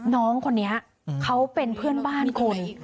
น้องคนนี้เขาเป็นเพื่อนบ้านคน